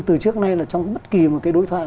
từ trước nay là trong bất kỳ một cái đối thoại